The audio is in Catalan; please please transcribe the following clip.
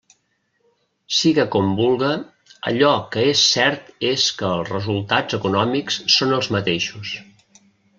Siga com vulga, allò que és cert és que els resultats econòmics són els mateixos.